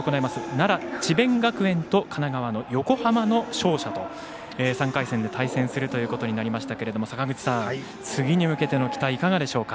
奈良・智弁学園と神奈川の横浜の勝者と３回戦で対戦するということになりましたけど坂口さん、次に向けての期待いかがでしょうか？